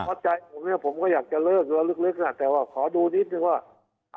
เพราะใจผมเนี่ยผมก็อยากจะเลิกแล้วลึกอ่ะแต่ว่าขอดูนิดนึงว่า